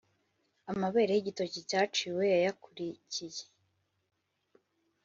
amabere y’igitoki cyaciwe yayakurikiye